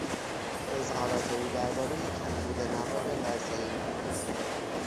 اظهارات او دربارهی کمبود مواد غذایی